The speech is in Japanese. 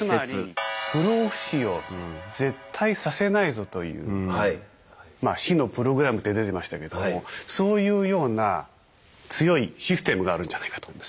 つまり不老不死を絶対させないぞというまあ死のプログラムって出てましたけどもそういうような強いシステムがあるんじゃないかと。